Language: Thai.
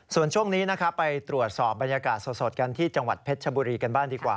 ส่วนช่วงนี้นะครับไปตรวจสอบบรรยากาศสดกันที่จังหวัดเพชรชบุรีกันบ้างดีกว่า